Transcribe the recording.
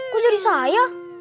kok jadi saya